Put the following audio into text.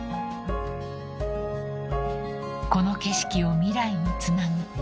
［この景色を未来につなぐ］